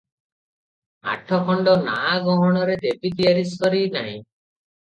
ଆଠଖଣ୍ଡ ନାଆ ଗହଣରେ ଦେବି ତିଆରି ସରି ନାହିଁ ।